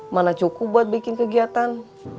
mana cukup buat bikin kegiatan